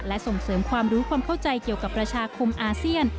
และส่งเสริมความรู้ความเข้าใจเกี่ยวกับประชาคมอาเซียน